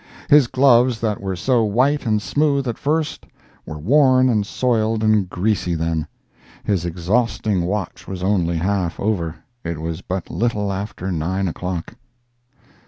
His gloves that were so white and smooth at first, were worn and soiled and greasy then. His exhausting watch was only half over—it was but little after nine o'clock.